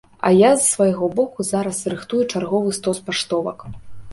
А я з свайго боку зараз рыхтую чарговы стос паштовак.